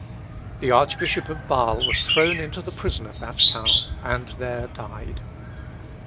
The Archbishop of Bâsle was thrown into the prison of that town, and there died.